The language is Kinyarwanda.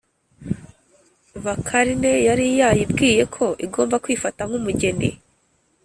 Bakarne yari yayibwiye ko igomba kwifata nk' umugeni